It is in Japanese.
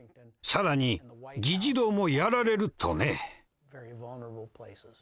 更に議事堂もやられるとね。